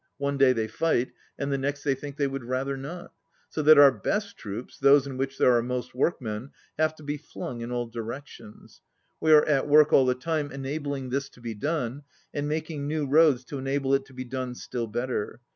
One day they fight, and the next they think they would rather not. So that our best troops, those in which there are most workmen, have to be flung in all directions. We are at work all the time enabling this to be done, and making new roads to enable it to be done still better.